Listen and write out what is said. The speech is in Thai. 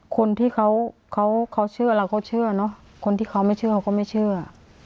คนที่เขาเขาเชื่อเราเขาเชื่อเนอะคนที่เขาไม่เชื่อเขาก็ไม่เชื่อ